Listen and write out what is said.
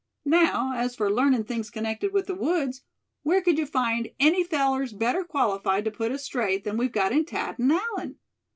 Now, as for learning things connected with the woods, where could you find any fellers better qualified to put us straight than we've got in Thad and Allan?